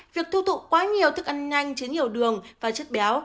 việc thu thụ quá nhiều thức ăn nhanh chứa nhiều đường và chất béo